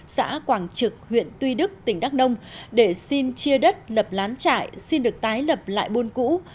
xã quảng trực huyện tuy đức tỉnh đắk nông để xin chia đất lập lán trại xin được tái lập lại buôn cũ